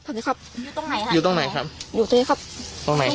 ตอนนี้ครับอยู่ตรงไหนครับอยู่ตรงไหนครับอยู่ตรงนี้ครับตรงไหน